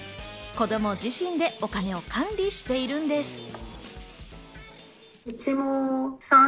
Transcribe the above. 子供自身でお金を管理しているんです。